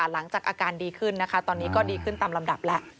หลังจากอาการดีขึ้นนะคะตอนนี้ก็ดีขึ้นตามลำดับแล้ว